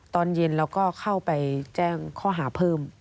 ตอนเย็นเราก็เข้าไปแจ้งข้อหาเพิ่ม